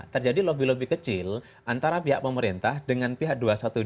terjadi lobby lobby kecil antara pihak pemerintah dengan pihak dua ratus dua belas